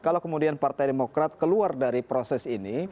kalau kemudian partai demokrat keluar dari proses ini